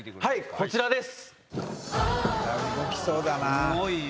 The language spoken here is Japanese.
こちらです。